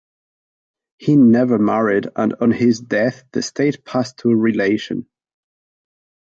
He never married and on his death the estate passed to a relation.